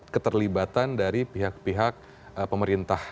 keterlibatan dari pihak pihak pemerintah